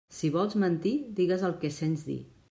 Si vols mentir, digues el que sents dir.